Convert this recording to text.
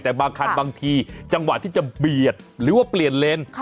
แต่บางคันบางทีจังหวะที่จะเบียดหรือว่าเปลี่ยนเลน